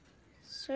そう？